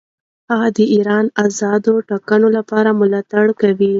هغه د ایران آزادو ټاکنو لپاره ملاتړ کوي.